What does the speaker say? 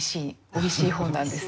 おいしい本なんですよ。